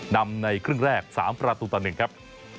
นำในครึ่งแรก๓ประตูต่อ๑ครับ